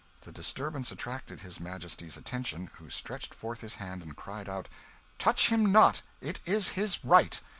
The disturbance attracted his Majesty's attention, who stretched forth his hand and cried out "Touch him not, it is his right!"